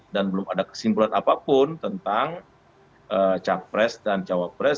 dan belum ada kesimpulan apapun tentang capres dan cowabres